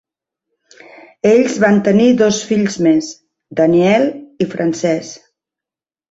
Ells van tenir dos fills més, Daniel i Frances.